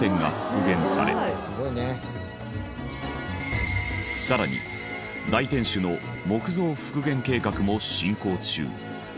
「すごいね」更に大天守の木造復元計画も進行中。